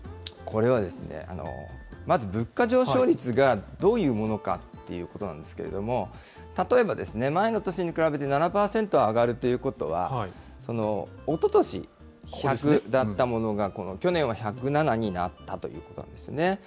これは、まず物価上昇率がどういうものかということなんですけれども、例えばですね、前の年に比べて７％上がるということは、おととし１００だったものが、去年は１０７になったということですね。